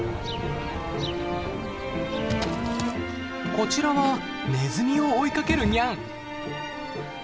こちらはネズミを追いかけるニャン。